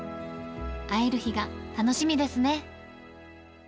会える日が楽しみですね。